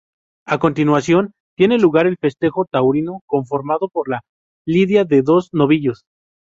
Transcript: A continuación, tiene lugar el festejo taurino, conformado por la lidia de dos novillos.